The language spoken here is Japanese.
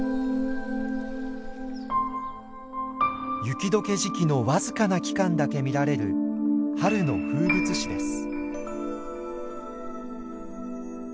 雪解け時期の僅かな期間だけ見られる春の風物詩です。